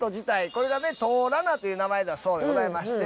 これがねトーラナという名前だそうでございまして。